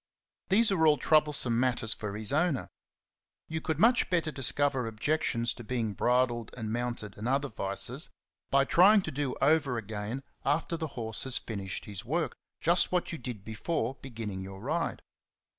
These are all troublesome matters for his owner. You could much better discover objections to being bridled and mounted and other vices, by trying to 26 XENOPHON ON HORSEMANSHIP. do over again, after the horse has finished his work, just what you did before beginning your ride.